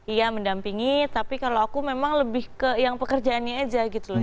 iya mendampingi tapi kalau aku memang lebih ke yang pekerjaannya aja gitu loh